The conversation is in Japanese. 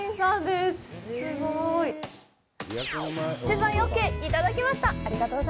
すごい。取材ＯＫいただきました。